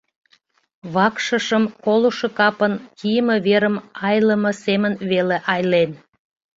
Вакшышым колышо капын кийыме верым айлыме семын веле айлен.